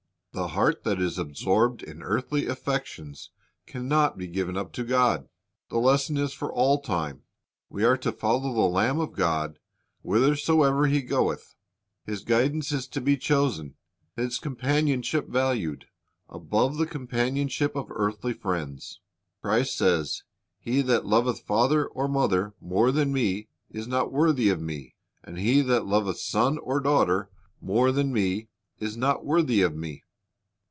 The heart that is absorbed in earthly affections can not be given up to God. V The lesson is for all time. We are to follow the Lamb of God whither soever He goeth. His guidance is to be chosen. His com panionship valued, above the companionship of earthly friends. Christ says, "He that loveth father or mother more than Me is not worthy of Me, and he that loveth son or daughter more than Me is not worthy of Me."